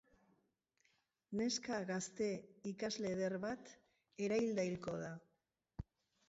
Neska gazte ikasle eder bat erailda hilko da.